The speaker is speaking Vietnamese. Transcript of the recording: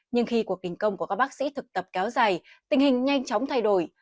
nhưng khi cuộc đình công của các bác sĩ thực tập kéo dài tình hình nhanh chóng thay đổi